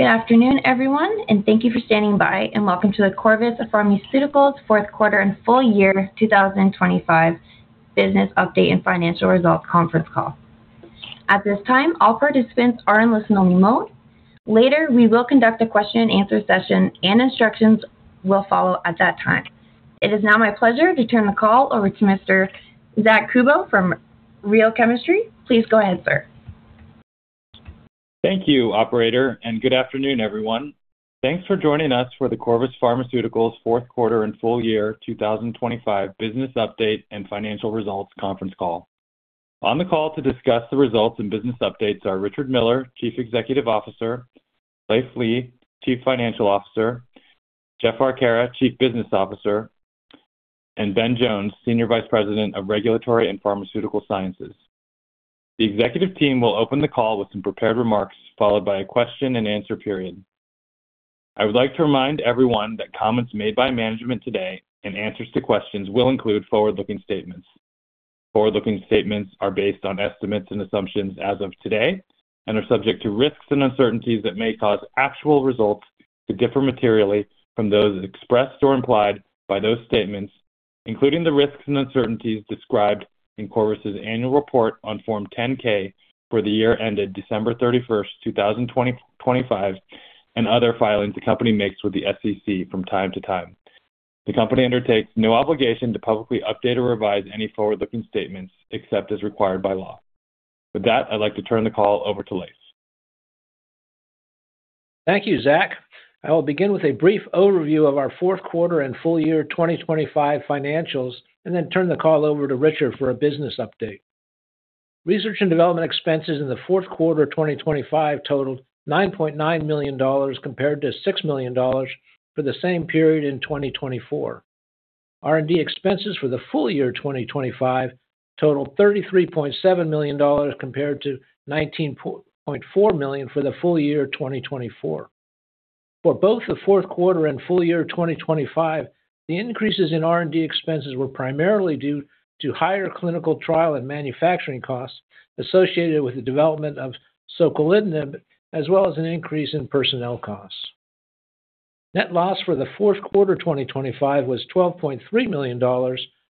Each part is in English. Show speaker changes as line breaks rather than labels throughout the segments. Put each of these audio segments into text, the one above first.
Good afternoon, everyone, and thank you for standing by and welcome to the Corvus Pharmaceuticals Fourth Quarter and Full Year 2025 Business Update and Financial Results Conference Call. At this time, all participants are in listen-only mode. Later, we will conduct a question-and-answer session and instructions will follow at that time. It is now my pleasure to turn the call over to Mr. Zack Kubow from Real Chemistry. Please go ahead, sir.
Thank you, operator, and good afternoon, everyone. Thanks for joining us for the Corvus Pharmaceuticals Fourth Quarter and Full Year 2025 Business Update and Financial Results Conference Call. On the call to discuss the results and business updates are Richard Miller, Chief Executive Officer, Leiv Lea, Chief Financial Officer, Jeff Arcara, Chief Business Officer, and Ben Jones, Senior Vice President of Regulatory and Pharmaceutical Sciences. The executive team will open the call with some prepared remarks, followed by a question and answer period. I would like to remind everyone that comments made by management today and answers to questions will include forward-looking statements. Forward-looking statements are based on estimates and assumptions as of today and are subject to risks and uncertainties that may cause actual results to differ materially from those expressed or implied by those statements, including the risks and uncertainties described in Corvus's annual report on Form 10-K for the year ended December 31, 2025, and other filings the company makes with the SEC from time to time. The company undertakes no obligation to publicly update or revise any forward-looking statements except as required by law. With that, I'd like to turn the call over to Leiv.
Thank you, Zach. I will begin with a brief overview of our fourth quarter and full year 2025 financials and then turn the call over to Richard for a business update. Research and development expenses in the fourth quarter 2025 totaled $9.9 million compared to $6 million for the same period in 2024. R&D expenses for the full year 2025 totaled $33.7 million compared to $19.4 million for the full year 2024. For both the fourth quarter and full year 2025, the increases in R&D expenses were primarily due to higher clinical trial and manufacturing costs associated with the development of soquelitinib, as well as an increase in personnel costs. Net loss for the fourth quarter 2025 was $12.3 million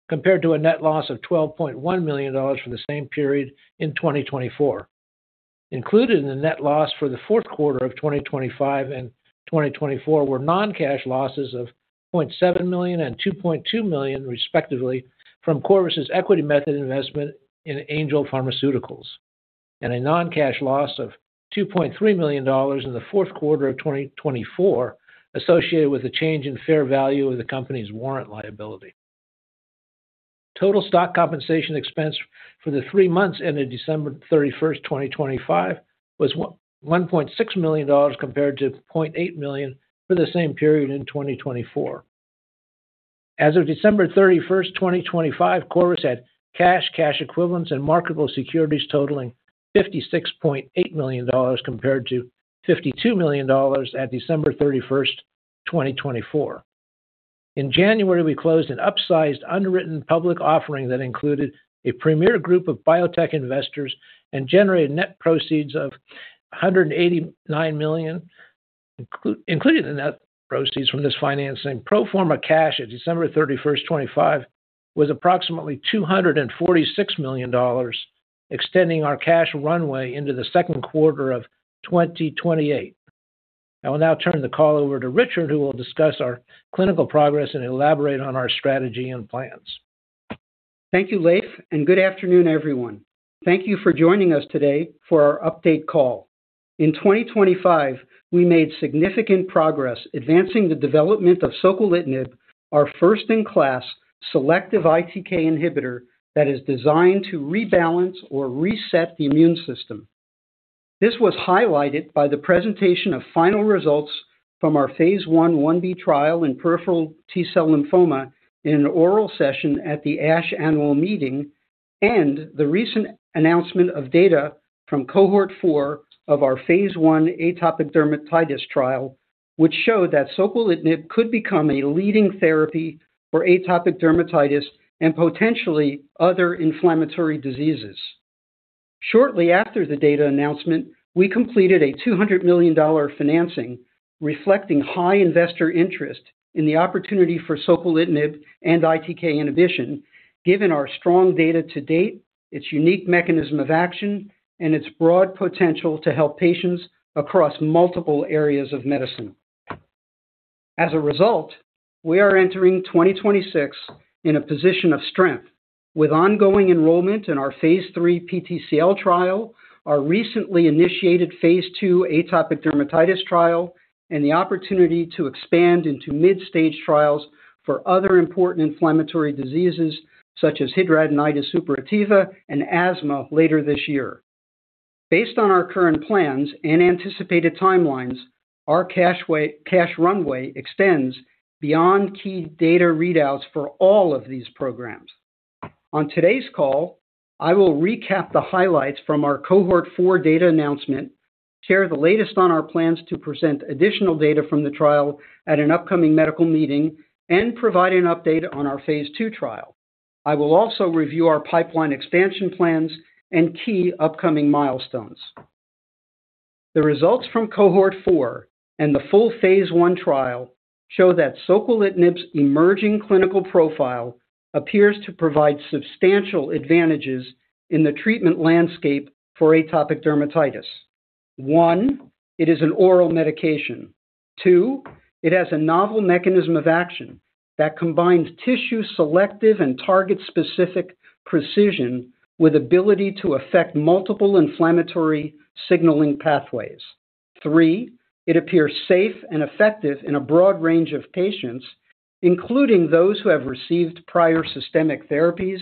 compared to a net loss of $12.1 million for the same period in 2024. Included in the net loss for the fourth quarter of 2025 and 2024 were non-cash losses of $0.7 million and $2.2 million, respectively, from Corvus's equity method investment in Angel Pharmaceuticals and a non-cash loss of $2.3 million in the fourth quarter of 2024 associated with the change in fair value of the company's warrant liability. Total stock compensation expense for the three months ended December 31, 2025 was $1.6 million compared to $0.8 million for the same period in 2024. As of December 31, 2025, Corvus had cash equivalents, and marketable securities totaling $56.8 million compared to $52 million at December 31, 2024. In January, we closed an upsized underwritten public offering that included a premier group of biotech investors and generated net proceeds of $189 million. Including the net proceeds from this financing, pro forma cash at December 31, 2025 was approximately $246 million, extending our cash runway into the second quarter of 2028. I will now turn the call over to Richard, who will discuss our clinical progress and elaborate on our strategy and plans.
Thank you, Leiv, and good afternoon, everyone. Thank you for joining us today for our update call. In 2025, we made significant progress advancing the development of soquelitinib, our first-in-class selective ITK inhibitor that is designed to rebalance or reset the immune system. This was highlighted by the presentation of final results from our phase I/I-B trial in peripheral T-cell lymphoma in an oral session at the ASH annual meeting and the recent announcement of data from cohort 4 of our phase I atopic dermatitis trial, which showed that soquelitinib could become a leading therapy for atopic dermatitis and potentially other inflammatory diseases. Shortly after the data announcement, we completed a $200 million financing, reflecting high investor interest in the opportunity for soquelitinib and ITK inhibition, given our strong data to date, its unique mechanism of action, and its broad potential to help patients across multiple areas of medicine. As a result, we are entering 2026 in a position of strength with ongoing enrollment in our phase III PTCL trial, our recently initiated phase II atopic dermatitis trial, and the opportunity to expand into mid-stage trials for other important inflammatory diseases such as hidradenitis suppurativa and asthma later this year. Based on our current plans and anticipated timelines, our cash runway extends beyond key data readouts for all of these programs. On today's call, I will recap the highlights from our cohort 4 data announcement, share the latest on our plans to present additional data from the trial at an upcoming medical meeting, and provide an update on our phase II trial. I will also review our pipeline expansion plans and key upcoming milestones. The results from cohort 4 and the full phase I trial show that soquelitinib's emerging clinical profile appears to provide substantial advantages in the treatment landscape for atopic dermatitis. 1, it is an oral medication. 2, it has a novel mechanism of action that combines tissue-selective and target-specific precision with ability to affect multiple inflammatory signaling pathways. 3, it appears safe and effective in a broad range of patients, including those who have received prior systemic therapies.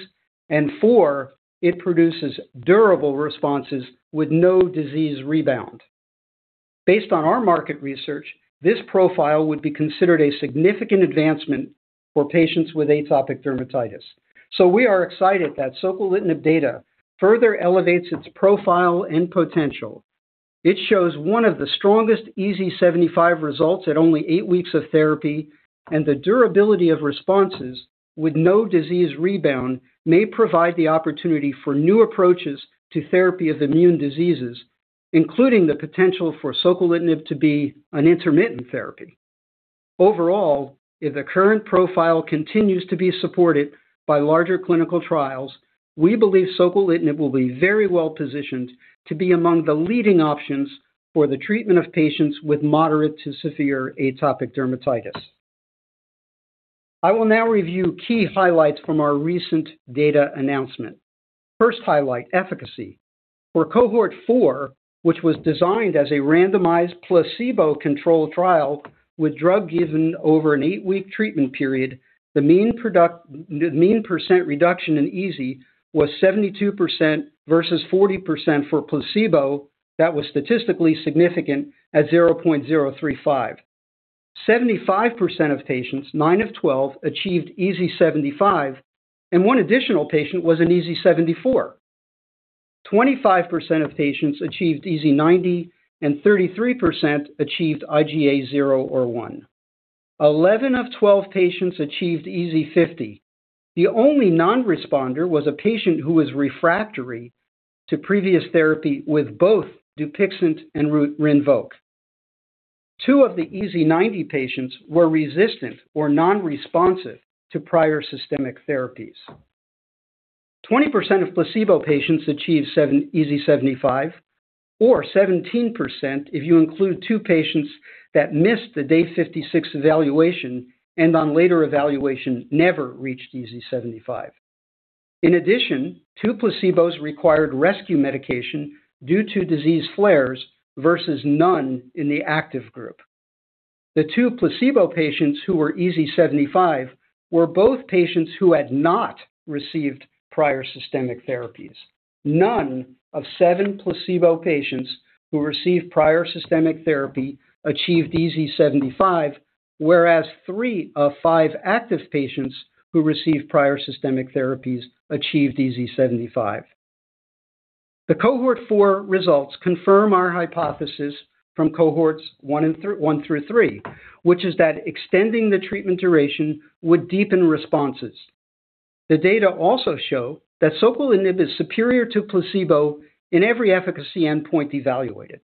4, it produces durable responses with no disease rebound. Based on our market research, this profile would be considered a significant advancement for patients with atopic dermatitis. We are excited that soquelitinib data further elevates its profile and potential. It shows one of the strongest EASI 75 results at only 8 weeks of therapy, and the durability of responses with no disease rebound may provide the opportunity for new approaches to therapy of immune diseases, including the potential for soquelitinib to be an intermittent therapy. Overall, if the current profile continues to be supported by larger clinical trials, we believe soquelitinib will be very well-positioned to be among the leading options for the treatment of patients with moderate to severe atopic dermatitis. I will now review key highlights from our recent data announcement. First highlight, efficacy. For cohort four, which was designed as a randomized placebo-controlled trial with drug given over an eight-week treatment period, the mean percent reduction in EASI was 72% versus 40% for placebo that was statistically significant at 0.035. 75% of patients, 9 of 12, achieved EASI 75, and one additional patient was an EASI 74. 25% of patients achieved EASI 90, and 33% achieved IGA 0 or 1. 11 of 12 patients achieved EASI 50. The only non-responder was a patient who was refractory to previous therapy with both DUPIXENT and RINVOQ. Two of the EASI 90 patients were resistant or non-responsive to prior systemic therapies. 20% of placebo patients achieved EASI 75, or 17% if you include two patients that missed the day 56 evaluation and on later evaluation never reached EASI 75. In addition, two placebos required rescue medication due to disease flares versus none in the active group. The two placebo patients who were EASI 75 were both patients who had not received prior systemic therapies. None of seven placebo patients who received prior systemic therapy achieved EASI 75, whereas 3 of 5 active patients who received prior systemic therapies achieved EASI 75. The cohort 4 results confirm our hypothesis from cohorts 1 through 3, which is that extending the treatment duration would deepen responses. The data also show that soquelitinib is superior to placebo in every efficacy endpoint evaluated.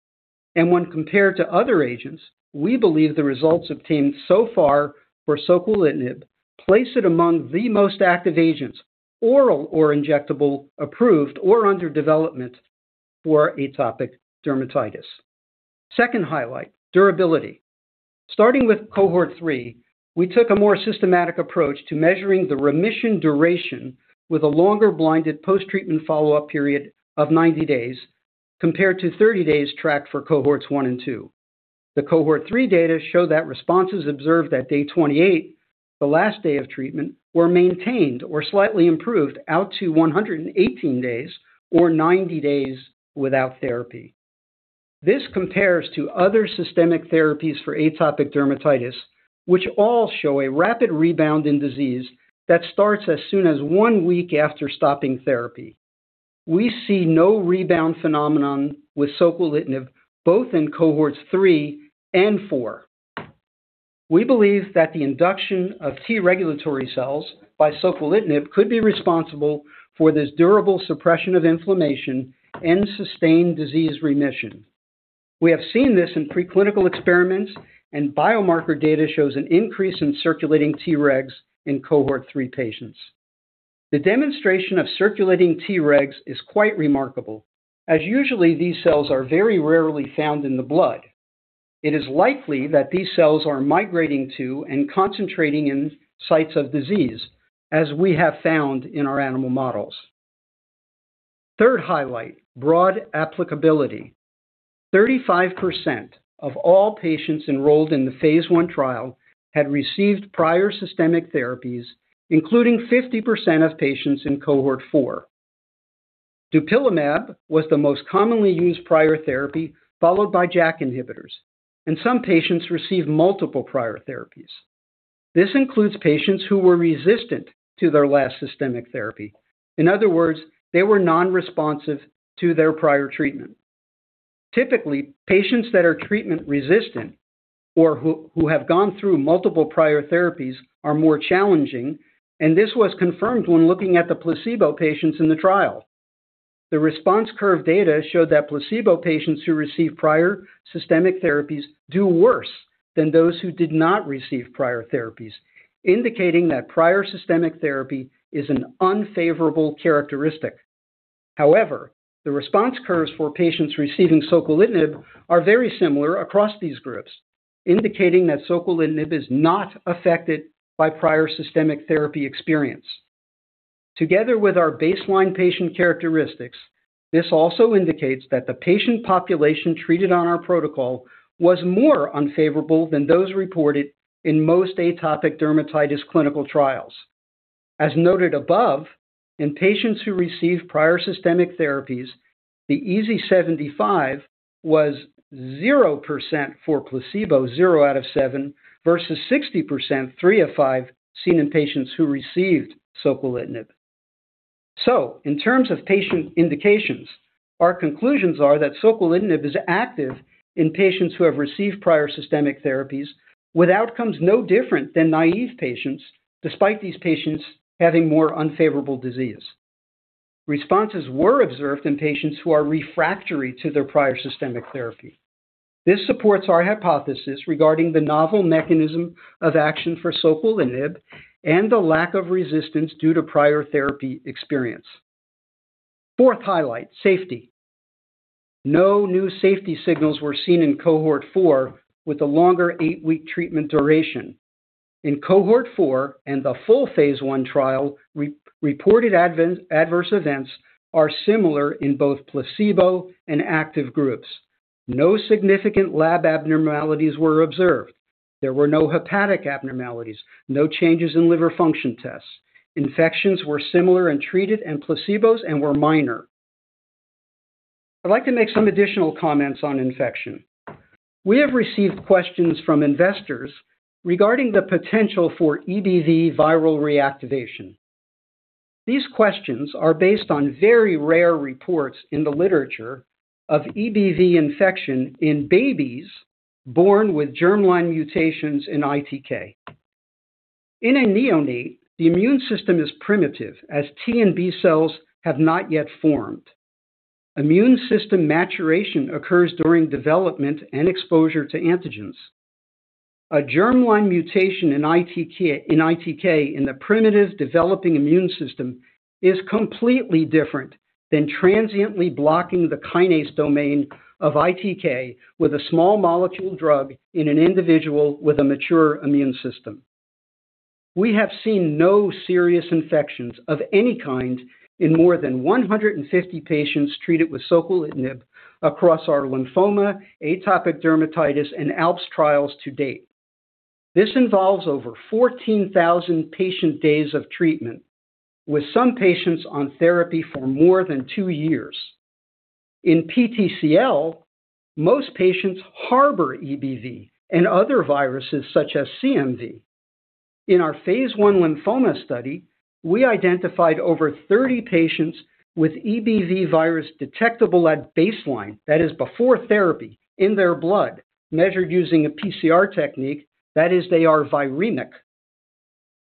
When compared to other agents, we believe the results obtained so far for soquelitinib place it among the most active agents, oral or injectable, approved or under development for atopic dermatitis. Second highlight, durability. Starting with cohort 3, we took a more systematic approach to measuring the remission duration with a longer blinded post-treatment follow-up period of 90 days compared to 30 days tracked for cohorts 1 and 2. The cohort 3 data show that responses observed at day 28, the last day of treatment, were maintained or slightly improved out to 118 days or 90 days without therapy. This compares to other systemic therapies for atopic dermatitis, which all show a rapid rebound in disease that starts as soon as 1 week after stopping therapy. We see no rebound phenomenon with soquelitinib both in cohorts 3 and 4. We believe that the induction of T-regulatory cells by soquelitinib could be responsible for this durable suppression of inflammation and sustained disease remission. We have seen this in preclinical experiments, and biomarker data shows an increase in circulating Tregs in cohort 3 patients. The demonstration of circulating Tregs is quite remarkable, as usually these cells are very rarely found in the blood. It is likely that these cells are migrating to and concentrating in sites of disease, as we have found in our animal models. Third highlight, broad applicability. 35% of all patients enrolled in the phase I trial had received prior systemic therapies, including 50% of patients in cohort 4. dupilumab was the most commonly used prior therapy, followed by JAK inhibitors, and some patients received multiple prior therapies. This includes patients who were resistant to their last systemic therapy. In other words, they were non-responsive to their prior treatment. Typically, patients that are treatment resistant or who have gone through multiple prior therapies are more challenging, and this was confirmed when looking at the placebo patients in the trial. The response curve data showed that placebo patients who received prior systemic therapies do worse than those who did not receive prior therapies, indicating that prior systemic therapy is an unfavorable characteristic. However, the response curves for patients receiving soquelitinib are very similar across these groups, indicating that soquelitinib is not affected by prior systemic therapy experience. Together with our baseline patient characteristics, this also indicates that the patient population treated on our protocol was more unfavorable than those reported in most atopic dermatitis clinical trials. As noted above, in patients who received prior systemic therapies, the EASI-75 was 0% for placebo, 0 out of seven, versus 60%, three of five, seen in patients who received soquelitinib. In terms of patient indications, our conclusions are that soquelitinib is active in patients who have received prior systemic therapies with outcomes no different than naive patients, despite these patients having more unfavorable disease. Responses were observed in patients who are refractory to their prior systemic therapy. This supports our hypothesis regarding the novel mechanism of action for soquelitinib and the lack of resistance due to prior therapy experience. Fourth highlight, safety. No new safety signals were seen in cohort 4 with a longer 8-week treatment duration. In cohort 4 and the full phase I trial, re-reported adverse events are similar in both placebo and active groups. No significant lab abnormalities were observed. There were no hepatic abnormalities, no changes in liver function tests. Infections were similar in treated and placebos and were minor. I'd like to make some additional comments on infection. We have received questions from investors regarding the potential for EBV viral reactivation. These questions are based on very rare reports in the literature of EBV infection in babies born with germline mutations in ITK. In a neonate, the immune system is primitive, as T and B cells have not yet formed. Immune system maturation occurs during development and exposure to antigens. A germline mutation in ITK in the primitive developing immune system is completely different than transiently blocking the kinase domain of ITK with a small molecule drug in an individual with a mature immune system. We have seen no serious infections of any kind in more than 150 patients treated with soquelitinib across our lymphoma, atopic dermatitis, and ALPS trials to date. This involves over 14,000 patient days of treatment, with some patients on therapy for more than two years. In PTCL, most patients harbor EBV and other viruses such as CMV. In our phase I lymphoma study, we identified over 30 patients with EBV virus detectable at baseline, that is before therapy, in their blood, measured using a PCR technique, that is they are viremic.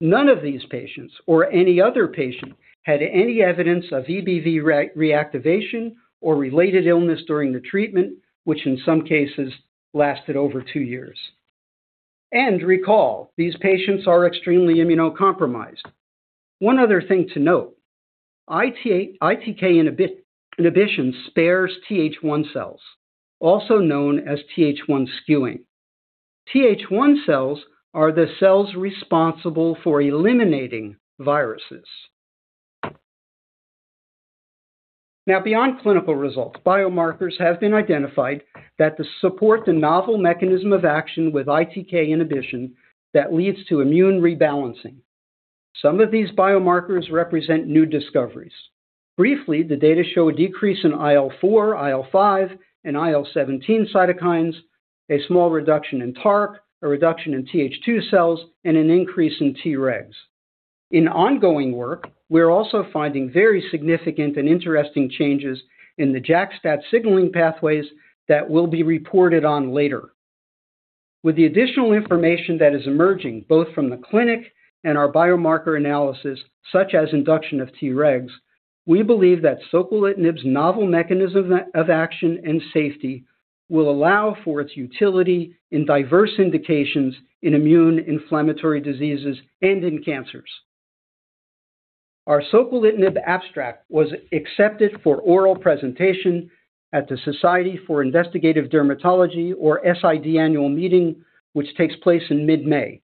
None of these patients or any other patient had any evidence of EBV reactivation or related illness during the treatment, which in some cases lasted over two years. Recall, these patients are extremely immunocompromised. One other thing to note, ITK inhibition spares TH1 cells, also known as TH1 skewing. TH1 cells are the cells responsible for eliminating viruses. Now, beyond clinical results, biomarkers have been identified that support the novel mechanism of action with ITK inhibition that leads to immune rebalancing. Some of these biomarkers represent new discoveries. Briefly, the data show a decrease in IL-4, IL-5, and IL-17 cytokines, a small reduction in TARC, a reduction in Th2 cells, and an increase in Tregs. In ongoing work, we're also finding very significant and interesting changes in the JAK-STAT signaling pathways that will be reported on later. With the additional information that is emerging, both from the clinic and our biomarker analysis, such as induction of Tregs, we believe that soquelitinib's novel mechanism of action and safety will allow for its utility in diverse indications in immune inflammatory diseases and in cancers. Our soquelitinib abstract was accepted for oral presentation at the Society for Investigative Dermatology, or SID annual meeting, which takes place in mid-May.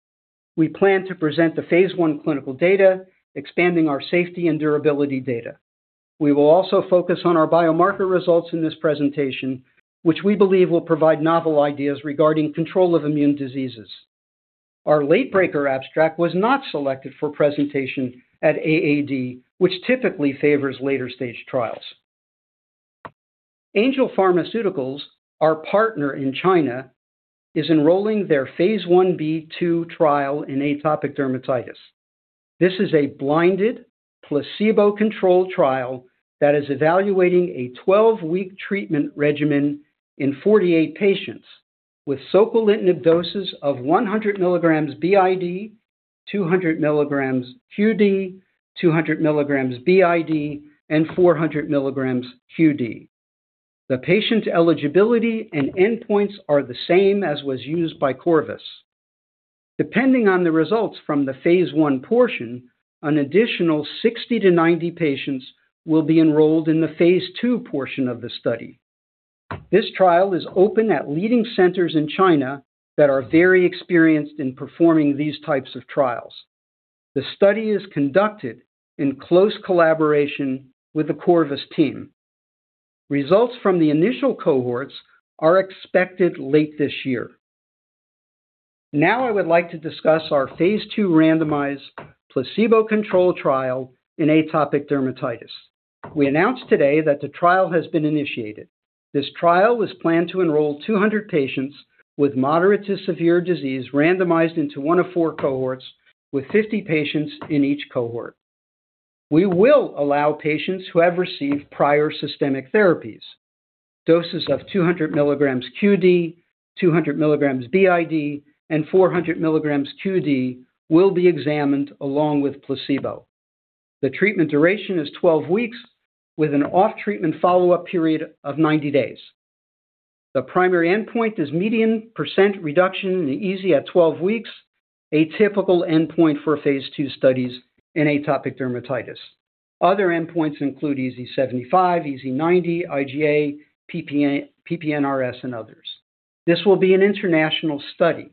We plan to present the phase I clinical data, expanding our safety and durability data. We will also focus on our biomarker results in this presentation, which we believe will provide novel ideas regarding control of immune diseases. Our late breaker abstract was not selected for presentation at AAD, which typically favors later-stage trials. Angel Pharmaceuticals, our partner in China, is enrolling their phase Ib/2 trial in atopic dermatitis. This is a blinded, placebo-controlled trial that is evaluating a 12-week treatment regimen in 48 patients with soquelitinib doses of 100 milligrams BID, 200 milligrams QD, 200 milligrams BID, and 400 milligrams QD. The patient eligibility and endpoints are the same as was used by Corvus. Depending on the results from the phase I portion, an additional 60-90 patients will be enrolled in the phase II portion of the study. This trial is open at leading centers in China that are very experienced in performing these types of trials. The study is conducted in close collaboration with the Corvus team. Results from the initial cohorts are expected late this year. Now I would like to discuss our phase II randomized placebo-controlled trial in atopic dermatitis. We announced today that the trial has been initiated. This trial is planned to enroll 200 patients with moderate to severe disease, randomized into one of four cohorts with 50 patients in each cohort. We will allow patients who have received prior systemic therapies. Doses of 200 milligrams QD, 200 milligrams BID, and 400 milligrams QD will be examined along with placebo. The treatment duration is 12 weeks with an off-treatment follow-up period of 90 days. The primary endpoint is median percent reduction in the EASI at 12 weeks, a typical endpoint for phase II studies in atopic dermatitis. Other endpoints include EASI-75, EASI-90, IGA, PP-NRS, and others. This will be an international study.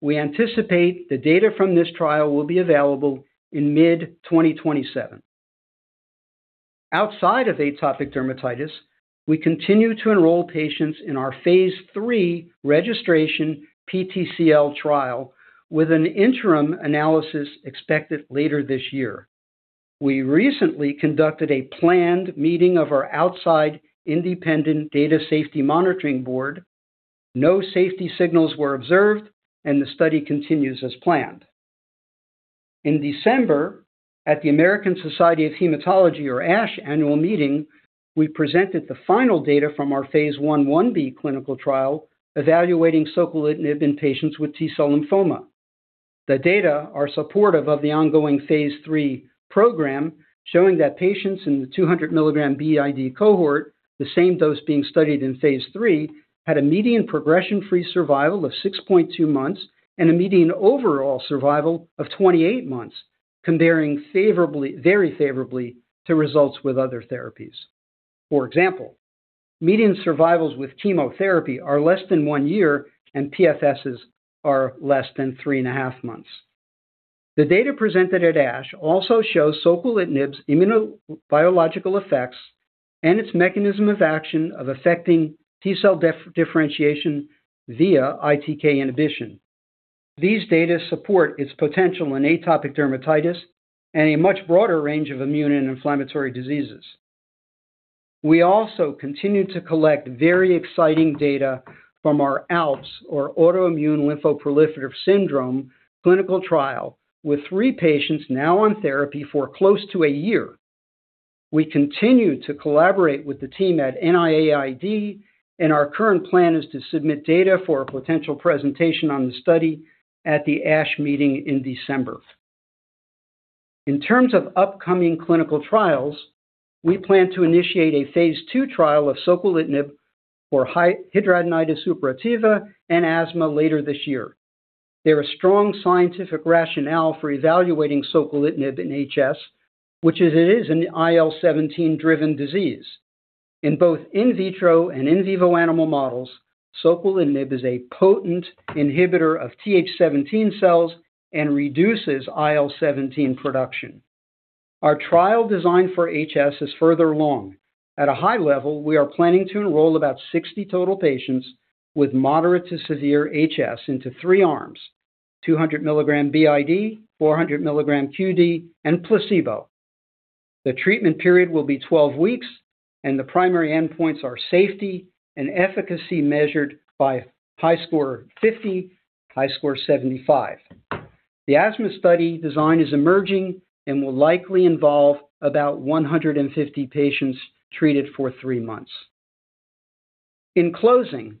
We anticipate the data from this trial will be available in mid-2027. Outside of atopic dermatitis, we continue to enroll patients in our phase III registration PTCL trial with an interim analysis expected later this year. We recently conducted a planned meeting of our outside independent data safety monitoring board. No safety signals were observed, and the study continues as planned. In December, at the American Society of Hematology, or ASH, annual meeting, we presented the final data from our phase I/I-B clinical trial evaluating soquelitinib in patients with T-cell lymphoma. The data are supportive of the ongoing phase III program, showing that patients in the 200 milligram BID cohort, the same dose being studied in phase III, had a median progression-free survival of 6.2 months and a median overall survival of 28 months, comparing favorably, very favorably to results with other therapies. For example, median survivals with chemotherapy are less than one year, and PFSs are less than three and a half months. The data presented at ASH also shows soquelitinib's immunobiological effects and its mechanism of action of affecting T-cell differentiation via ITK inhibition. These data support its potential in atopic dermatitis and a much broader range of immune and inflammatory diseases. We also continue to collect very exciting data from our ALPS, or autoimmune lymphoproliferative syndrome, clinical trial, with three patients now on therapy for close to a year. We continue to collaborate with the team at NIAID, and our current plan is to submit data for a potential presentation on the study at the ASH meeting in December. In terms of upcoming clinical trials, we plan to initiate a phase two trial of soquelitinib for hidradenitis suppurativa and asthma later this year. There is strong scientific rationale for evaluating soquelitinib in HS, which is an IL-17-driven disease. In both in vitro and in vivo animal models, soquelitinib is a potent inhibitor of Th17 cells and reduces IL-17 production. Our trial design for HS is further along. At a high level, we are planning to enroll about 60 total patients with moderate to severe HS into three arms: 200 milligram BID, 400 milligram QD, and placebo. The treatment period will be 12 weeks, and the primary endpoints are safety and efficacy measured by HiSCR50, HiSCR75. The asthma study design is emerging and will likely involve about 150 patients treated for three months. In closing,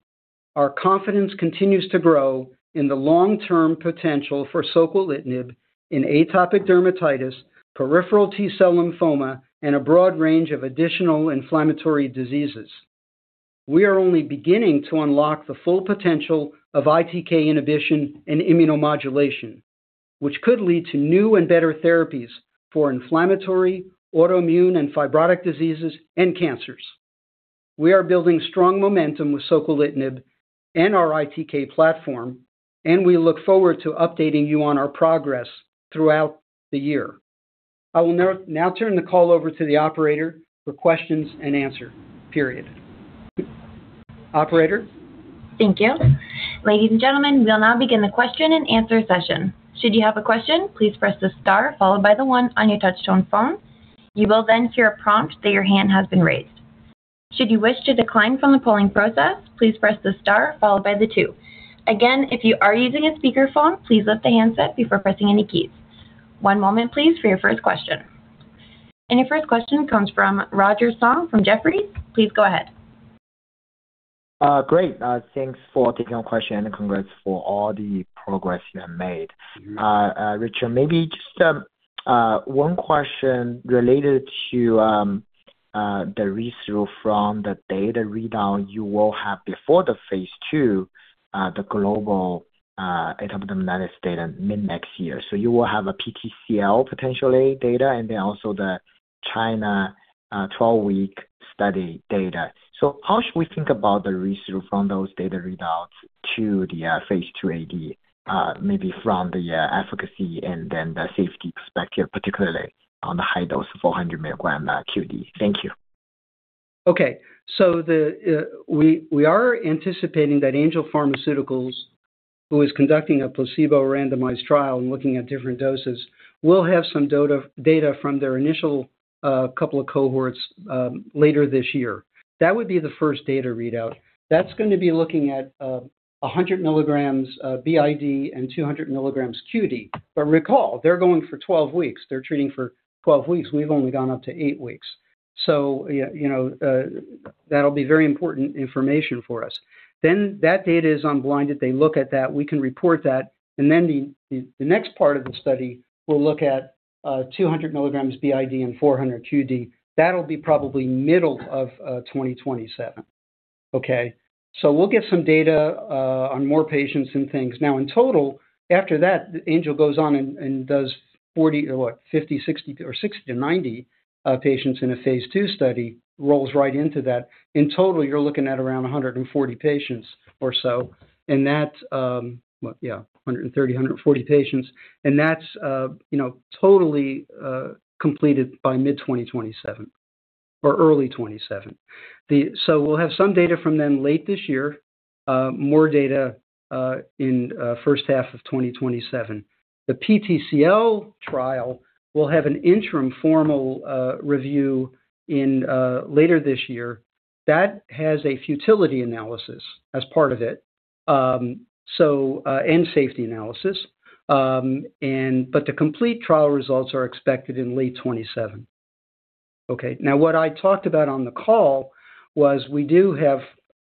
our confidence continues to grow in the long-term potential for soquelitinib in atopic dermatitis, peripheral T-cell lymphoma, and a broad range of additional inflammatory diseases. We are only beginning to unlock the full potential of ITK inhibition and immunomodulation, which could lead to new and better therapies for inflammatory, autoimmune, and fibrotic diseases and cancers. We are building strong momentum with soquelitinib and our ITK platform, and we look forward to updating you on our progress throughout the year. I will now turn the call over to the operator for the question and answer period. Operator?
Thank you. Ladies and gentlemen, we'll now begin the question-and-answer session. Should you have a question, please press the star followed by the one on your touchtone phone. You will then hear a prompt that your hand has been raised. Should you wish to decline from the polling process, please press the star followed by the two. Again, if you are using a speakerphone, please lift the handset before pressing any keys. One moment please for your first question. Your first question comes from Roger Song from Jefferies. Please go ahead.
Great. Thanks for taking our question, and congrats for all the progress you have made.
Mm-hmm.
Richard, maybe just one question related to the results from the data readout you will have before the phase II, the global interim in the United States mid-next year. You will have a PTCL potential data and then also the China twelve-week study data. How should we think about the results from those data readouts to the phase II AD, maybe from the efficacy and then the safety perspective, particularly on the high dose 400 milligram QD. Thank you.
Okay. We are anticipating that Angel Pharmaceuticals, who is conducting a placebo randomized trial and looking at different doses, will have some data from their initial couple of cohorts later this year. That would be the first data readout. That's gonna be looking at 100 milligrams BID and 200 milligrams QD. Recall, they're going for 12 weeks. They're treating for 12 weeks. We've only gone up to 8 weeks. You know, that'll be very important information for us. That data is unblinded. They look at that. We can report that. The next part of the study will look at 200 milligrams BID and 400 QD. That'll be probably middle of 2027. Okay? We'll get some data on more patients and things. Now, in total, after that, Angel goes on and does 40 or 50, 60 or 60 to 90 patients in a phase II study, rolls right into that. In total, you're looking at around 140 patients or so, and that, well, yeah, 130, 140 patients. That's, you know, totally completed by mid-2027 or early 2027. We'll have some data from them late this year, more data in first half of 2027. The PTCL trial will have an interim formal review in later this year. That has a futility analysis as part of it, so, and safety analysis. But the complete trial results are expected in late 2027. Okay? Now, what I talked about on the call was we do have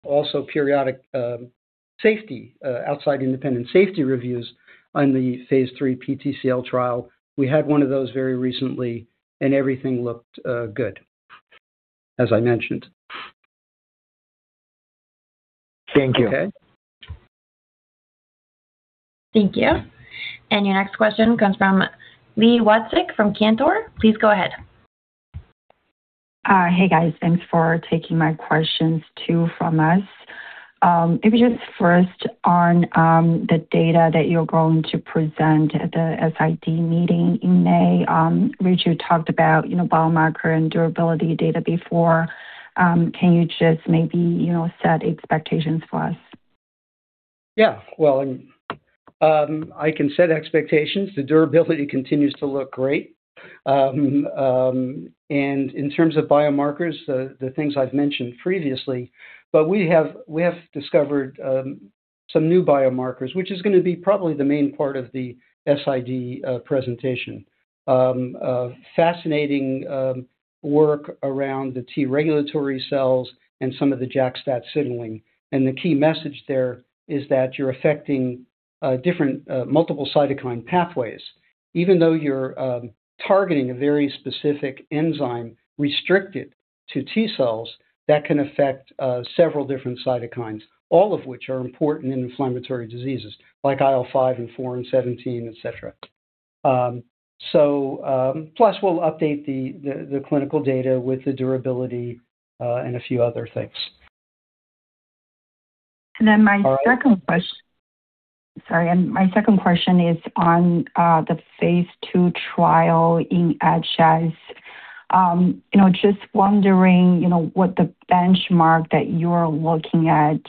also periodic safety outside independent safety reviews on the phase III PTCL trial. We had one of those very recently and everything looked good, as I mentioned.
Thank you.
Okay.
Thank you. Your next question comes from Li Watsek from Cantor. Please go ahead.
Hey, guys. Thanks for taking my questions too from us. If you just first on the data that you're going to present at the SID meeting in May. Richard talked about, you know, biomarker and durability data before. Can you just maybe, you know, set expectations for us?
Yeah. Well, I can set expectations. The durability continues to look great. In terms of biomarkers, the things I've mentioned previously, but we have discovered some new biomarkers, which is gonna be probably the main part of the SID presentation. Fascinating work around the T-regulatory cells and some of the JAK-STAT signaling. The key message there is that you're affecting different multiple cytokine pathways. Even though you're targeting a very specific enzyme restricted to T cells, that can affect several different cytokines, all of which are important in inflammatory diseases like IL-5 and IL-4 and IL-17, et cetera. Plus we'll update the clinical data with the durability and a few other things.
My second question.
All right.
Sorry. My second question is on the phase II trial in HS. You know, just wondering, you know, what the benchmark that you're looking at,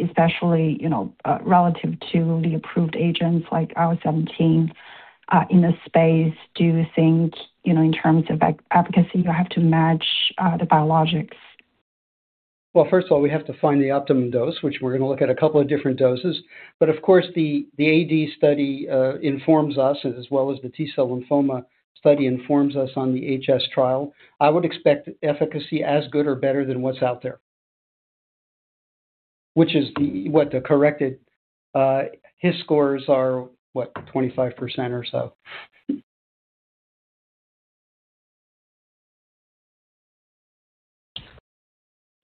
especially, you know, relative to the approved agents like IL-17 in the space. Do you think, you know, in terms of efficacy, you have to match the biologics?
Well, first of all, we have to find the optimum dose, which we're gonna look at a couple of different doses. Of course, the AD study informs us as well as the T-cell lymphoma study informs us on the HS trial. I would expect efficacy as good or better than what's out there. Which is what the corrected HiSCR scores are, what? 25% or so.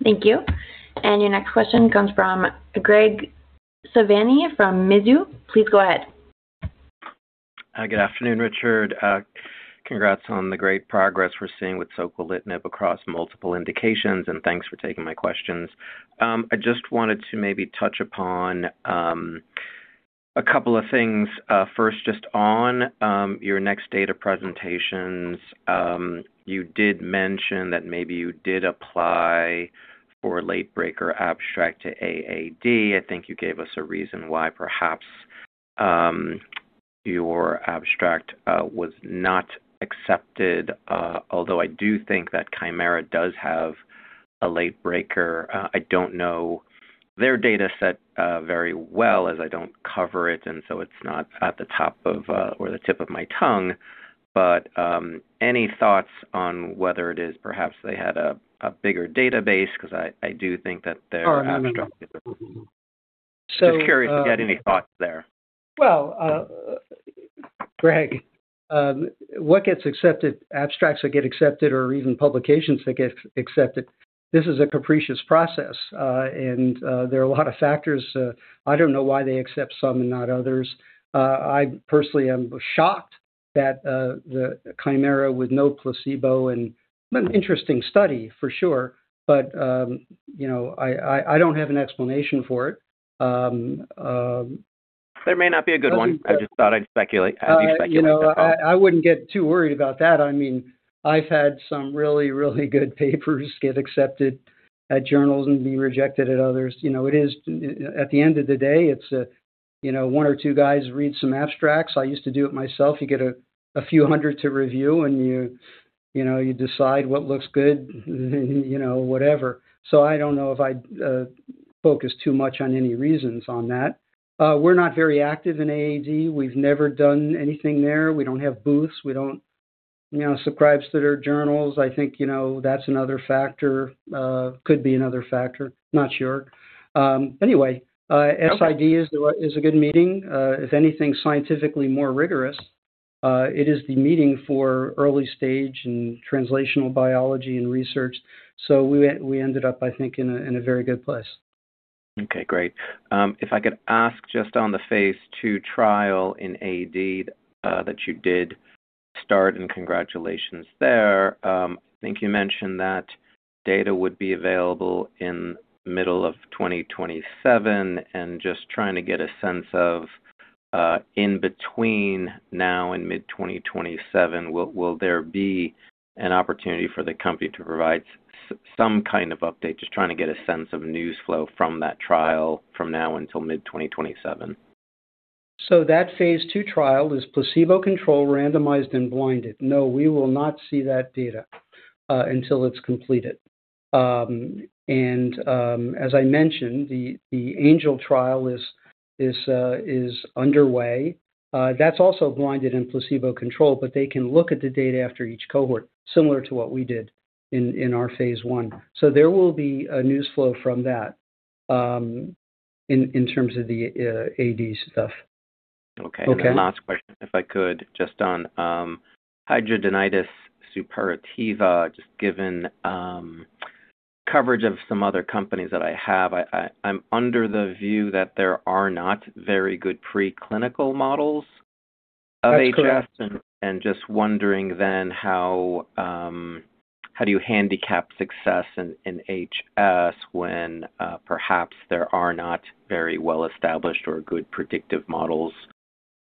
Thank you. Your next question comes from Graig Suvannavejh from Mizuho. Please go ahead.
Good afternoon, Richard. Congrats on the great progress we're seeing with soquelitinib across multiple indications, and thanks for taking my questions. I just wanted to maybe touch upon a couple of things. First, just on your next data presentations, you did mention that maybe you did apply for a late breaker abstract to AAD. I think you gave us a reason why perhaps your abstract was not accepted. Although I do think that Kymera does have a late breaker. I don't know their dataset very well, as I don't cover it, and so it's not at the top of or the tip of my tongue. Any thoughts on whether it is perhaps they had a bigger database? 'Cause I do think that their abstract is. Just curious if you had any thoughts there?
Well, Graig, what gets accepted, abstracts that get accepted or even publications that get accepted, this is a capricious process. There are a lot of factors. I don't know why they accept some and not others. I personally am shocked that the Kymera with no placebo and an interesting study, for sure, but you know, I don't have an explanation for it.
There may not be a good one. I just thought I'd speculate. Have you speculated at all?
You know, I wouldn't get too worried about that. I mean, I've had some really, really good papers get accepted at journals and be rejected at others. You know, it is at the end of the day, it's you know, one or two guys read some abstracts. I used to do it myself. You get a few hundred to review, and you know, you decide what looks good, you know, whatever. So I don't know if I'd focus too much on any reasons on that. We're not very active in AAD. We've never done anything there. We don't have booths. We don't, you know, subscribe to their journals. I think you know, that's another factor. Could be another factor. Not sure. Anyway.
Okay.
SID is a good meeting. If anything, scientifically more rigorous. It is the meeting for early stage and translational biology and research. We ended up, I think, in a very good place.
Okay, great. If I could ask just on the phase II trial in AD, that you did start, and congratulations there. I think you mentioned that data would be available in middle of 2027, and just trying to get a sense of, in between now and mid-2027, will there be an opportunity for the company to provide some kind of update? Just trying to get a sense of news flow from that trial from now until mid-2027.
That phase II trial is placebo-controlled, randomized, and blinded. No, we will not see that data until it's completed. As I mentioned, the Angel trial is underway. That's also blinded and placebo-controlled, but they can look at the data after each cohort, similar to what we did in our phase I. There will be a news flow from that in terms of the AD stuff.
Okay.
Okay?
Last question, if I could, just on hidradenitis suppurativa, just given coverage of some other companies that I have. I'm under the view that there are not very good preclinical models of HS.
That's correct.
Just wondering then how do you handicap success in HS when perhaps there are not very well-established or good predictive models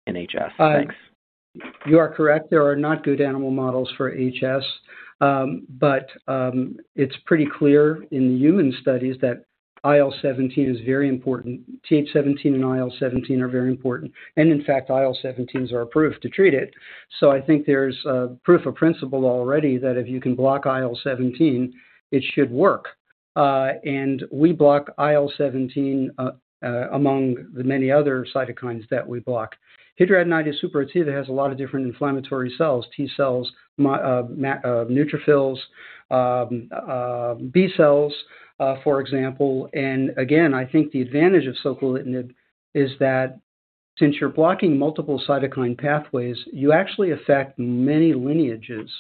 in HS? Thanks.
You are correct. There are not good animal models for HS. It's pretty clear in the human studies that IL-17 is very important. Th17 and IL-17 are very important. In fact, IL-17s are approved to treat it. I think there's proof of principle already that if you can block IL-17, it should work. We block IL-17 among the many other cytokines that we block. Hidradenitis suppurativa has a lot of different inflammatory cells, T cells, neutrophils, B cells, for example. Again, I think the advantage of soquelitinib is that since you're blocking multiple cytokine pathways, you actually affect many lineages,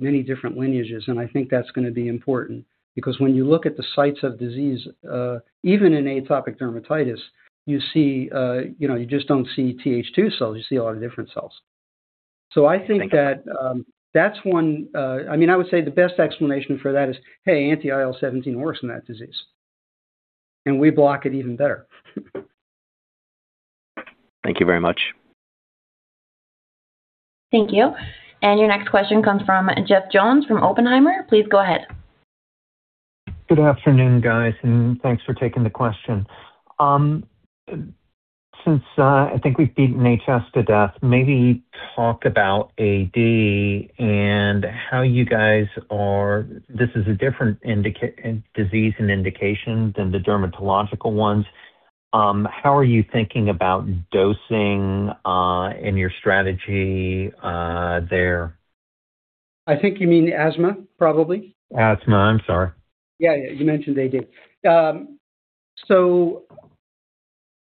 many different lineages, and I think that's gonna be important. Because when you look at the sites of disease, even in atopic dermatitis, you see, you know, you just don't see Th2 cells, you see a lot of different cells.
Thank you.
I think that I mean, I would say the best explanation for that is, "Hey, anti-IL-17 works in that disease, and we block it even better.
Thank you very much.
Thank you. Your next question comes from Jeff Jones from Oppenheimer. Please go ahead.
Good afternoon, guys, and thanks for taking the question. Since I think we've beaten HS to death, maybe talk about AD and how you guys are. This is a different disease and indication than the dermatological ones. How are you thinking about dosing in your strategy there?
I think you mean asthma probably.
Asthma. I'm sorry.
Yeah, yeah. You mentioned AD.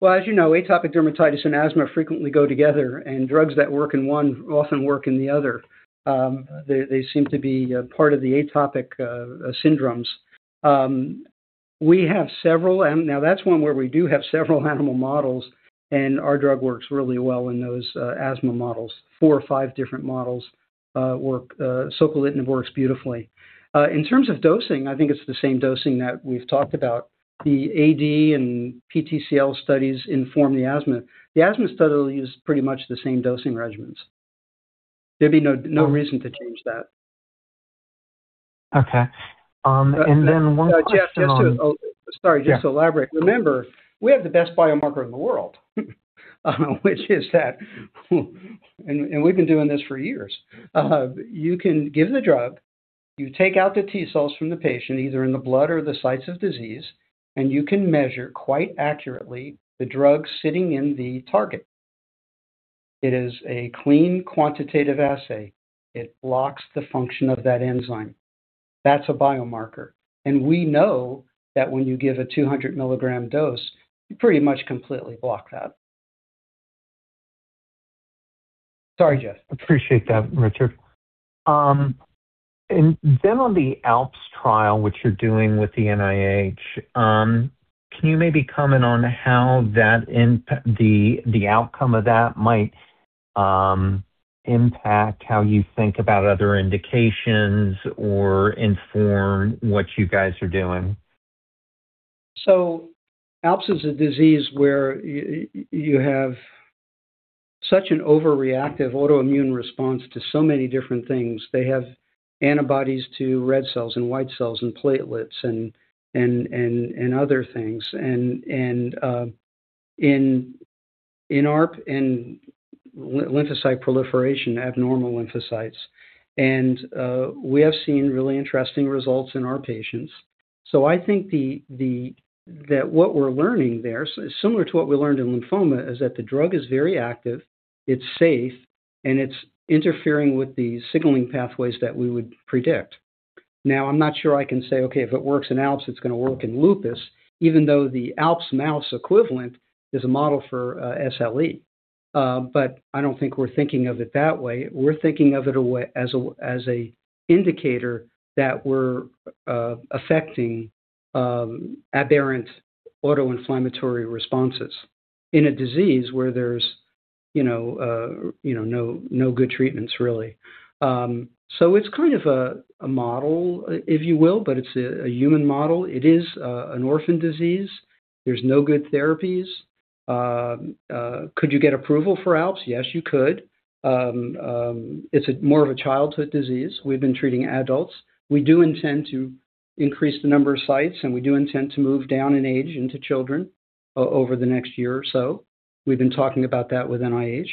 Well, as you know, atopic dermatitis and asthma frequently go together, and drugs that work in one often work in the other. They seem to be part of the atopic syndromes. We have several, and now that's one where we do have several animal models, and our drug works really well in those asthma models. Four or five different models, soquelitinib works beautifully. In terms of dosing, I think it's the same dosing that we've talked about. The AD and PTCL studies inform the asthma. The asthma study used pretty much the same dosing regimens. There'd be no reason to change that.
Okay. One question on
Just to elaborate. Remember, we have the best biomarker in the world, which is that, and we've been doing this for years. You can give the drug, you take out the T-cells from the patient, either in the blood or the sites of disease, and you can measure quite accurately the drug sitting in the target. It is a clean quantitative assay. It blocks the function of that enzyme. That's a biomarker. We know that when you give a 200 milligram dose, you pretty much completely block that. Sorry, Jeff.
Appreciate that, Richard. On the ALPS trial, which you're doing with the NIH, can you maybe comment on how the outcome of that might impact how you think about other indications or inform what you guys are doing?
ALPS is a disease where you have such an overreactive autoimmune response to so many different things. They have antibodies to red cells and white cells and platelets and other things. In ALPS and lymphocyte proliferation, abnormal lymphocytes. We have seen really interesting results in our patients. I think that what we're learning there, similar to what we learned in lymphoma, is that the drug is very active, it's safe, and it's interfering with the signaling pathways that we would predict. Now, I'm not sure I can say, "Okay, if it works in ALPS, it's gonna work in lupus," even though the ALPS mouse equivalent is a model for SLE. I don't think we're thinking of it that way. We're thinking of it as an indicator that we're affecting aberrant autoinflammatory responses in a disease where there's you know you know no good treatments, really. It's kind of a model, if you will, but it's a human model. It is an orphan disease. There's no good therapies. Could you get approval for ALPS? Yes, you could. It's more of a childhood disease. We've been treating adults. We do intend to increase the number of sites, and we do intend to move down in age into children over the next year or so. We've been talking about that with NIH.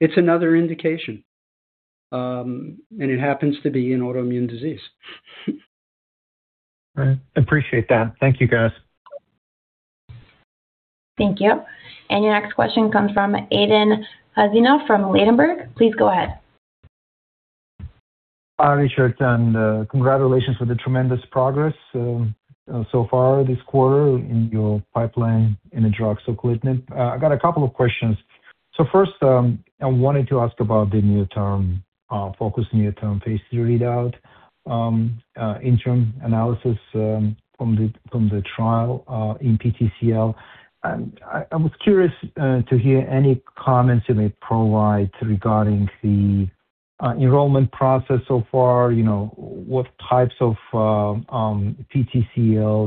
It's another indication, and it happens to be an autoimmune disease.
All right. Appreciate that. Thank you, guys.
Thank you. Your next question comes from Aydin Huseynov from Ladenburg Thalmann. Please go ahead.
Hi, Richard, congratulations for the tremendous progress so far this quarter in your pipeline in the drug soquelitinib. I got a couple of questions. First, I wanted to ask about the near-term focused near-term phase III readout, interim analysis, from the trial in PTCL. I was curious to hear any comments you may provide regarding the enrollment process so far. You know, what types of PTCL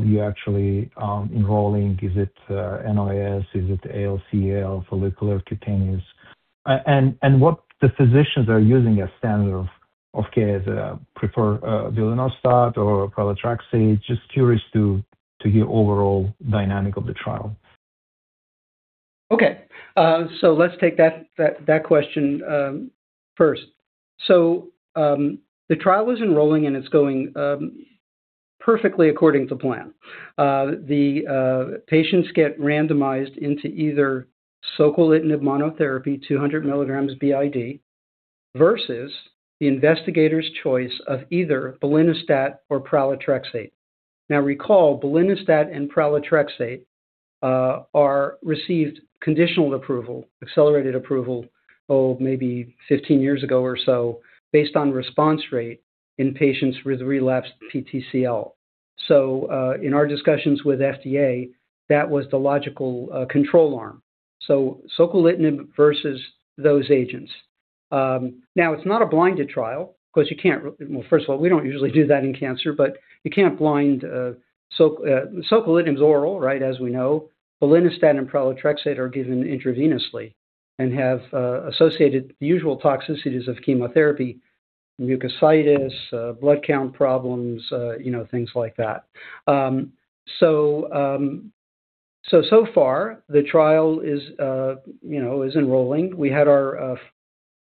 you actually enrolling? Is it NOS? Is it ALCL, follicular, cutaneous? And what the physicians are using as standard of care. Is it preferred belinostat or pralatrexate? Just curious to hear overall dynamics of the trial.
Okay. Let's take that question first. The trial is enrolling, and it's going perfectly according to plan. Patients get randomized into either soquelitinib monotherapy, 200 milligrams BID, versus the investigator's choice of either belinostat or pralatrexate. Now, recall belinostat and pralatrexate are received conditional approval, accelerated approval, oh, maybe 15 years ago or so, based on response rate in patients with relapsed PTCL. In our discussions with FDA, that was the logical control arm. Soquelitinib versus those agents. Now, it's not a blinded trial 'cause you can't. Well, first of all, we don't usually do that in cancer, but you can't blind soquelitinib's oral, right, as we know. belinostat and pralatrexate are given intravenously and have associated usual toxicities of chemotherapy, mucositis, blood count problems, you know, things like that. So far the trial is, you know, is enrolling. We had our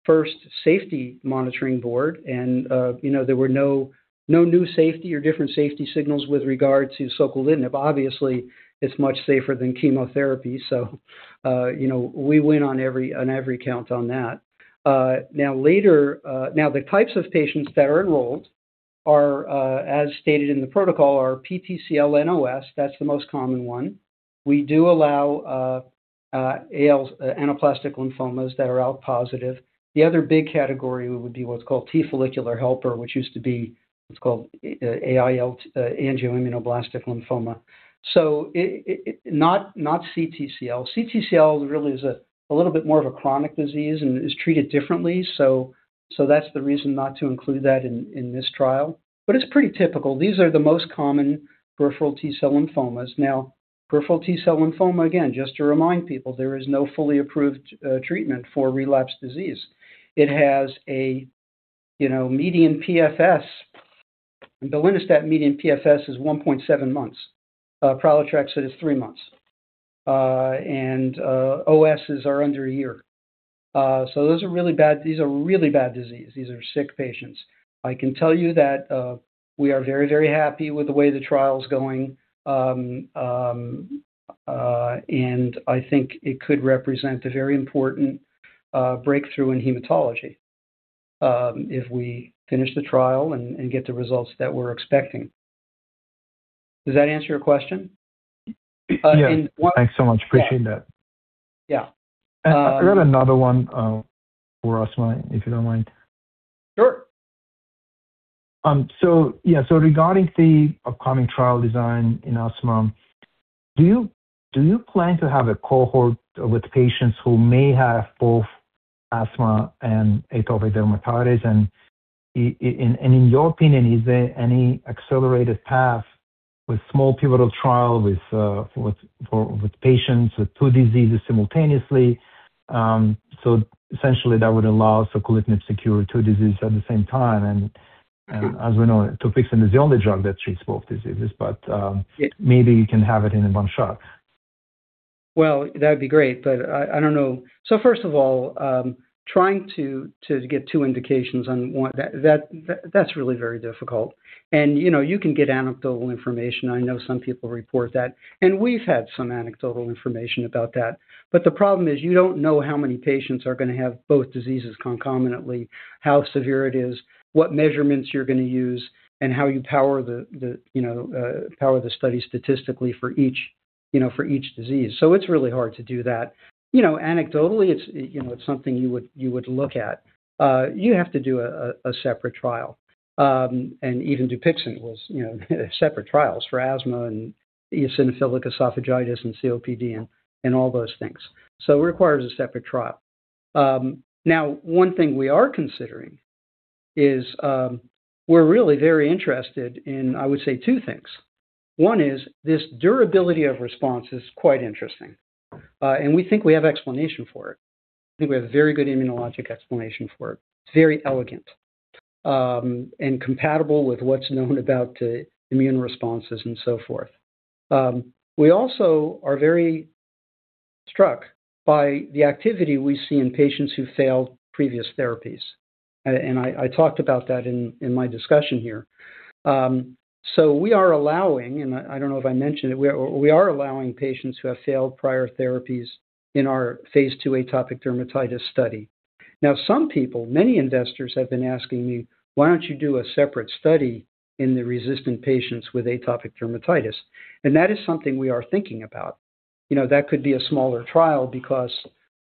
first safety monitoring board and, you know, there were no new safety or different safety signals with regard to soquelitinib. Obviously, it's much safer than chemotherapy, you know, we win on every count on that. Now the types of patients that are enrolled are, as stated in the protocol, PTCL NOS. That's the most common one. We do allow anaplastic lymphomas that are ALK-positive. The other big category would be what's called T follicular helper, which used to be what's called AITL, angioimmunoblastic lymphoma. It's not CTCL. CTCL really is a little bit more of a chronic disease and is treated differently so that's the reason not to include that in this trial. It's pretty typical. These are the most common peripheral T-cell lymphomas. Now, peripheral T-cell lymphoma, again, just to remind people, there is no fully approved treatment for relapsed disease. It has a you know median PFS. belinostat median PFS is 1.7 months. Pralatrexate is 3 months. OSs are under a year. Those are really bad. These are really bad disease. These are sick patients. I can tell you that we are very, very happy with the way the trial is going. I think it could represent a very important breakthrough in hematology if we finish the trial and get the results that we're expecting. Does that answer your question? What-
Yeah. Thanks so much.
Yeah.
Appreciate that.
Yeah.
I got another one for asthma, if you don't mind.
Sure.
Regarding the upcoming trial design in asthma, do you plan to have a cohort with patients who may have both asthma and atopic dermatitis? In your opinion, is there any accelerated path with small pivotal trial for patients with two diseases simultaneously? Essentially that would allow soquelitinib to cure two diseases at the same time.
Mm-hmm.
As we know, DUPIXENT is the only drug that treats both diseases.
Yeah
Maybe you can have it in one shot.
Well, that'd be great, but I don't know. First of all, trying to get two indications on one, that's really very difficult. You know, you can get anecdotal information. I know some people report that. We've had some anecdotal information about that. The problem is you don't know how many patients are gonna have both diseases concomitantly, how severe it is, what measurements you're gonna use, and how you power the study statistically for each disease. It's really hard to do that. You know, anecdotally, it's something you would look at. You have to do a separate trial. Even DUPIXENT was, you know, separate trials for asthma and eosinophilic esophagitis and COPD and all those things. It requires a separate trial. Now one thing we are considering is, we're really very interested in, I would say two things. One is this durability of response is quite interesting. We think we have explanation for it. I think we have a very good immunologic explanation for it. It's very elegant, and compatible with what's known about the immune responses and so forth. We also are very struck by the activity we see in patients who failed previous therapies. And I talked about that in my discussion here. We are allowing, and I don't know if I mentioned it, patients who have failed prior therapies in our phase II atopic dermatitis study. Some people, many investors have been asking me, "Why don't you do a separate study in the resistant patients with atopic dermatitis?" That is something we are thinking about. You know, that could be a smaller trial because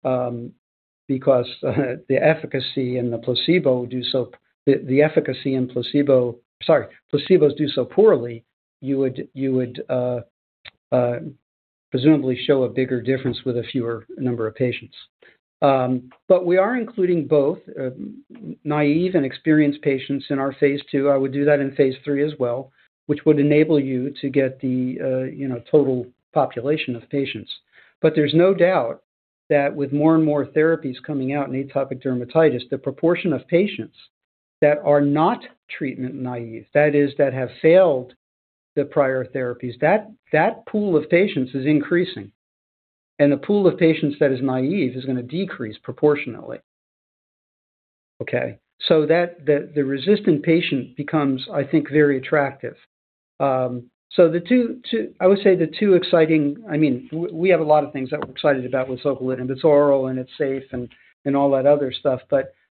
the efficacy and placebo do so poorly, you would presumably show a bigger difference with a fewer number of patients. But we are including both naive and experienced patients in our phase II. I would do that in phase III as well, which would enable you to get the total population of patients. There's no doubt that with more and more therapies coming out in atopic dermatitis, the proportion of patients that are not treatment naive, that is, that have failed the prior therapies, that pool of patients is increasing. The pool of patients that is naive is gonna decrease proportionally. Okay. That the resistant patient becomes, I think, very attractive. I mean, we have a lot of things that we're excited about with soquelitinib. It's oral and it's safe and all that other stuff.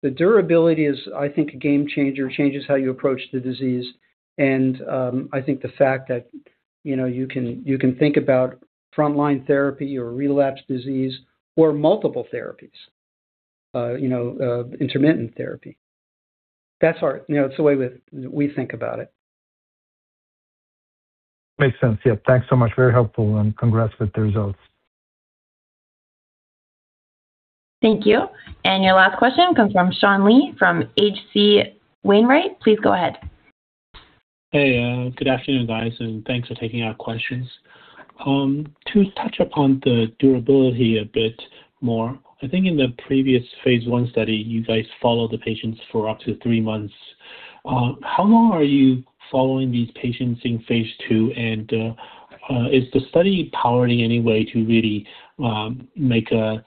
The durability is, I think, a game changer, changes how you approach the disease. I think the fact that, you know, you can think about frontline therapy or relapsed disease or multiple therapies, you know, intermittent therapy. That's our, you know, it's the way we think about it.
Makes sense. Yeah. Thanks so much. Very helpful, and congrats with the results.
Thank you. Your last question comes from Sean Lee from H.C. Wainwright & Co. Please go ahead.
Hey, good afternoon, guys, and thanks for taking our questions. To touch upon the durability a bit more, I think in the previous phase one study, you guys followed the patients for up to three months. How long are you following these patients in phase two? Is the study powered in any way to really make a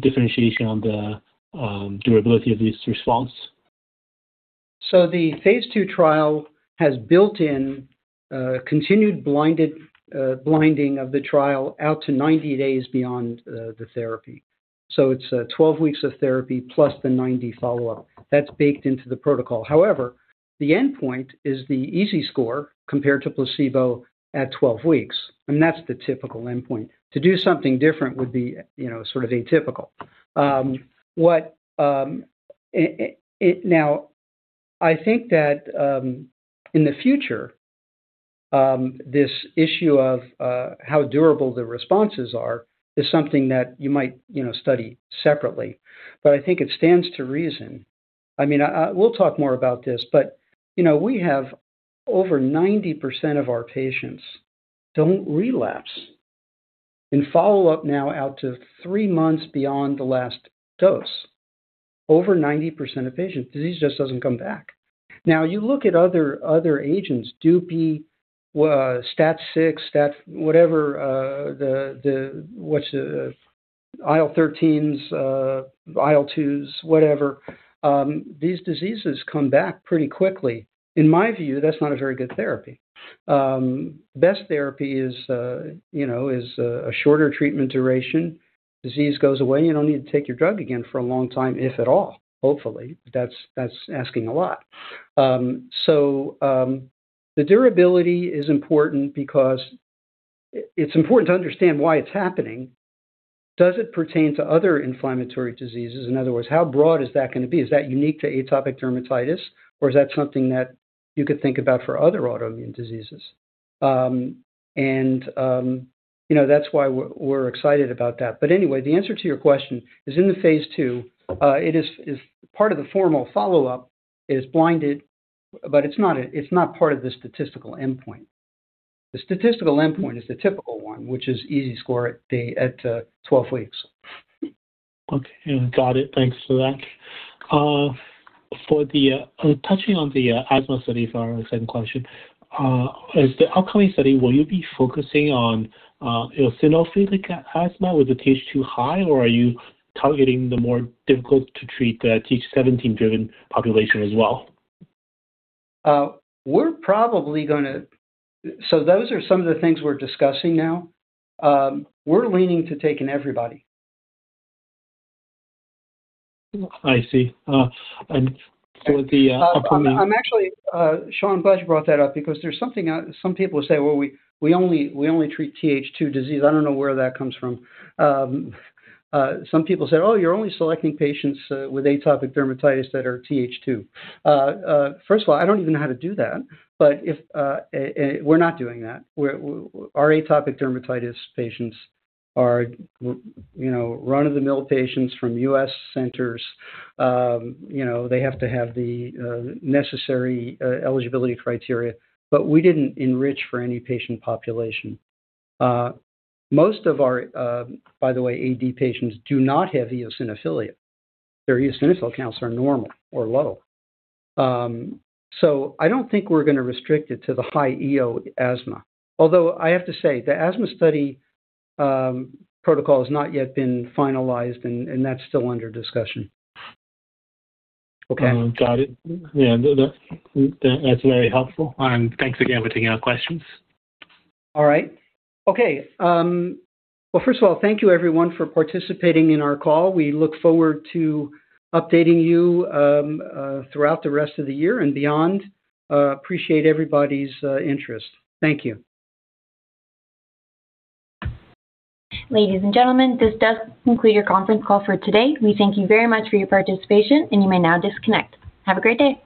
differentiation on the durability of this response?
The phase II trial has built-in continued blinding of the trial out to 90 days beyond the therapy. It's 12 weeks of therapy plus the 90 follow-up. That's baked into the protocol. However, the endpoint is the EASI score compared to placebo at 12 weeks, and that's the typical endpoint. To do something different would be, you know, sort of atypical. I think that in the future this issue of how durable the responses are is something that you might, you know, study separately. I think it stands to reason. I mean, we'll talk more about this, but, you know, we have over 90% of our patients don't relapse. In follow-up now out to 3 months beyond the last dose, over 90% of patients, disease just doesn't come back. Now, you look at other agents, DUPIXENT, STAT6, STAT whatever, the IL-13s, IL-2s, whatever, these diseases come back pretty quickly. In my view, that's not a very good therapy. Best therapy is, you know, a shorter treatment duration. Disease goes away, you don't need to take your drug again for a long time, if at all. Hopefully. That's asking a lot. The durability is important because it's important to understand why it's happening. Does it pertain to other inflammatory diseases? In other words, how broad is that gonna be? Is that unique to atopic dermatitis, or is that something that you could think about for other autoimmune diseases? You know, that's why we're excited about that. Anyway, the answer to your question is in the phase II, it is part of the formal follow-up is blinded, but it's not part of the statistical endpoint. The statistical endpoint is the typical one, which is EASI score at the 12 weeks.
Okay. Got it. Thanks for that. Touching on the asthma study for our second question, as the upcoming study, will you be focusing on eosinophilic asthma with the Th2 high, or are you targeting the more difficult to treat the Th17-driven population as well?
Those are some of the things we're discussing now. We're leaning to taking everybody.
I see. For the upcoming
I'm actually, Sean, glad you brought that up because there's something. Some people say, "Well, we only treat Th2 disease." I don't know where that comes from. Some people say, "Oh, you're only selecting patients with atopic dermatitis that are Th2." First of all, I don't even know how to do that. If we're not doing that. Our atopic dermatitis patients are, you know, run-of-the-mill patients from U.S. centers. You know, they have to have the necessary eligibility criteria, but we didn't enrich for any patient population. Most of our, by the way, AD patients do not have eosinophilia. Their eosinophil counts are normal or low. I don't think we're gonna restrict it to the high EO asthma. Although I have to say, the asthma study protocol has not yet been finalized and that's still under discussion. Okay.
Got it. Yeah, that's very helpful. Thanks again for taking our questions.
All right. Okay, well, first of all, thank you everyone for participating in our call. We look forward to updating you throughout the rest of the year and beyond. Appreciate everybody's interest. Thank you.
Ladies and gentlemen, this does conclude your conference call for today. We thank you very much for your participation, and you may now disconnect. Have a great day.